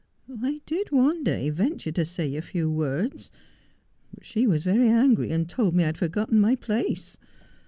' I did one day venture to say a few words ; but she was very angry, and told me I had forgotten my place.